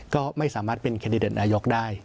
ก็ไม่สามารถเป็นแคนดิเดตนายกได้